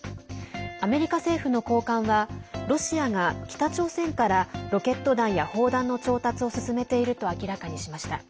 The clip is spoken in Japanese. アメリカ政府の高官はロシアが北朝鮮からロケット弾や砲弾の調達を進めていると明らかにしました。